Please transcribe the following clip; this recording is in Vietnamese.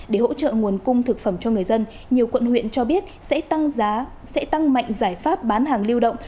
để hỗ trợ nguồn cung thực phẩm cho người dân nhiều quận huyện cho biết sẽ tăng mạnh giải pháp bán hàng lưu động